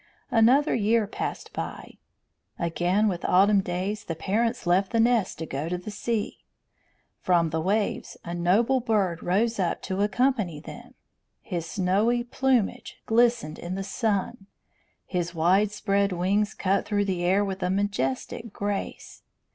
Another year passed by. Again with autumn days the parents left the nest to go to sea. From the waves a noble bird rose up to accompany them. His snowy plumage glistened in the sun, his wide spread wings cut through the air with a majestic grace.